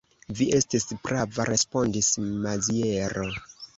Vi estis prava, respondis Maziero.